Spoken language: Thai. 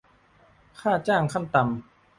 ค่าจ้างขั้นต่ำ